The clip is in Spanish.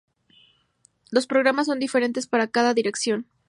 Los programas son diferentes para cada dirección.